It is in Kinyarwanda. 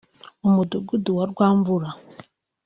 Umudugudu wa Rwamvura